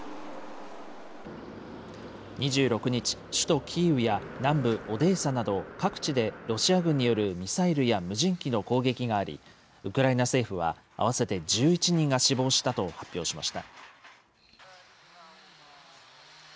２６日、首都キーウやオデーサなど各地でロシア軍によるミサイルや無人機の攻撃があり、ウクライナ政府は、合わせて１１人が死亡したと発表しました。